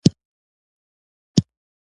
په دې حالت کې شعور ختم شوی و